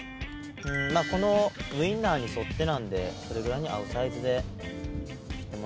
まあこのウインナーに沿ってなのでそれぐらいに合うサイズで切ってもらえれば。